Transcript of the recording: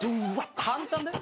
簡単だよ。